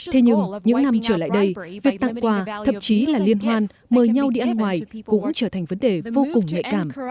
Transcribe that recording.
thế nhưng những năm trở lại đây việc tặng quà thậm chí là liên hoan mời nhau đi ăn ngoài cũng trở thành vấn đề vô cùng nhạy cảm